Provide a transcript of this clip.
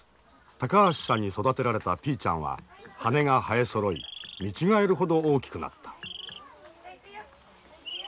高橋さんに育てられたピーちゃんは羽が生えそろい見違えるほど大きくなった。